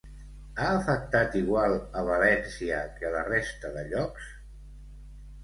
Ha afectat igual a València que a la resta de llocs?